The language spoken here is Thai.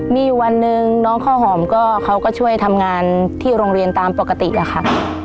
มีวันนึงน้องข้าวหอมก็ช่วยทำงานที่โรงเรียนตามปกติค่ะ